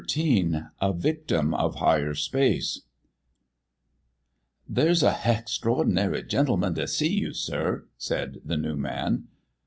XIII A VICTIM OF HIGHER SPACE "There's a hextraordinary gentleman to see you, sir," said the new man.